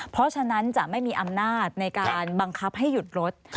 เพราะฉะนั้นจะไม่มีอำนาจในการบังคับให้หยุดรถ